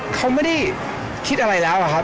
เขาไม่ได้คิดอะไรแล้วอะครับ